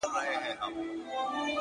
• ورمعلومي وې طالع د انسانانو,